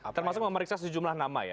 termasuk memeriksa sejumlah nama ya